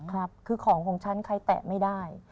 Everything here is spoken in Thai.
ครับคือของของฉันใครแตะไม่ได้